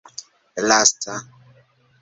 lasta